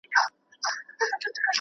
خلکو هندوې په نکاح کړې